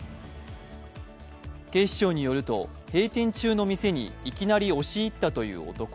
警視庁によると閉店中の店にいきなり押し入ったという男。